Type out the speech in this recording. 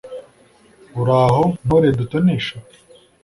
uraho ntore dutonesha